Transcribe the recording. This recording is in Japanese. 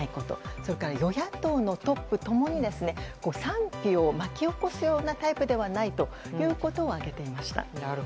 それから与野党のトップ共に賛否を巻き起こすタイプではないということを挙げていました。